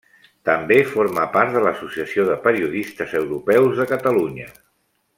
També forma part de l'Associació de Periodistes Europeus de Catalunya.